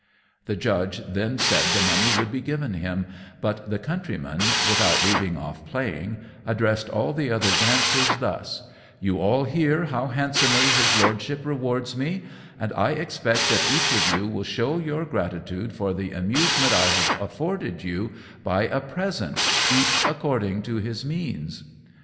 The judge then said the money should be given him; but the Countryman, without leaving off playing, addressed all the other dancers thus, "You all hear how handsomely his Lordship rewards me, and I expect that each of you will show your gratitude, for the amusement I have afforded you, by a present; each according to his means."